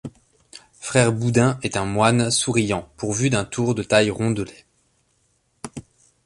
Frère Boudin est un moine souriant, pourvu d’un tour de taille rondelet.